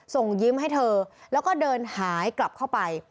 ส่งยิ้มให้เธอแล้วก็เดินหายกลับเข้าไป